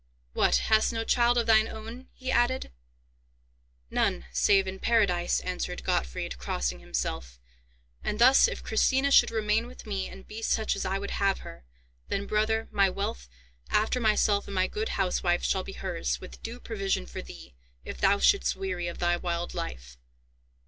"What, hast no child of thine own?" he added. "None, save in Paradise," answered Gottfried, crossing himself. "And thus, if Christina should remain with me, and be such as I would have her, then, brother, my wealth, after myself and my good housewife, shall be hers, with due provision for thee, if thou shouldst weary of thy wild life.